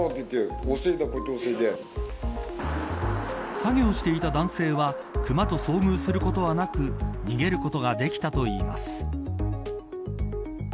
作業していた男性は熊と遭遇することはなく逃げることができたといいます。